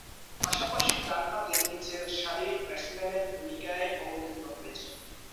পাশাপাশি ডানহাতে নিচের সারির ব্যাটসম্যানের ভূমিকায় অবতীর্ণ হয়েছেন।